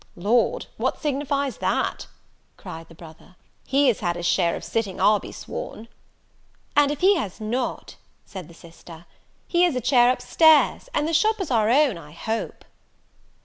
"Lord, what signifies that?" cried the brother; "he has had his share of sitting, I'll be sworn." "And, if he has not," said the sister, "he has a chair up stairs; and the shop is our own, I hope."